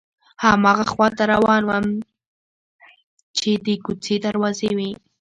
هماغه خواته روان شوم چې د کوڅې دروازې وې.